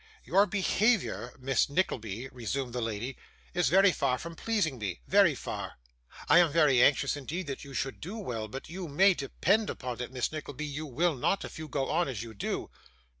'Your behaviour, Miss Nickleby,' resumed the lady, 'is very far from pleasing me very far. I am very anxious indeed that you should do well, but you may depend upon it, Miss Nickleby, you will not, if you go on as you do.